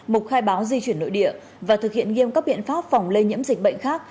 mục khai báo di chuyển nội địa và thực hiện nghiêm các biện pháp phòng lây nhiễm dịch bệnh khác